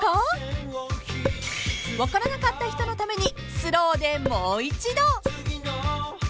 ［分からなかった人のために］